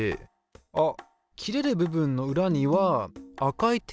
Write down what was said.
あっ切れる部分の裏には赤いテープがはられてるな。